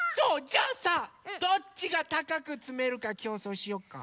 じゃあさどっちがたかくつめるかきょうそうしよっか？